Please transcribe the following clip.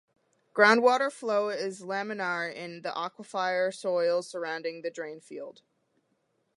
Groundwater flow is laminar in the aquifer soils surrounding the drain field.